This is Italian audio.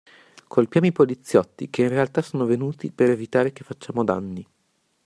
Colpiamo i poliziotti che in realtà sono venuti per evitare che facciamo danni.